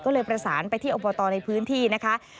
ก็เลยประสานไปที่อบตในพื้นที่นะคะ